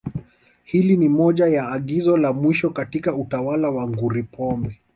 Hili ni moja ya agizo la mwisho katika utawala nguri Pombe